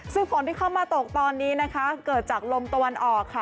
ซึ่งฝนที่เข้ามาตกตอนนี้นะคะเกิดจากลมตะวันออกค่ะ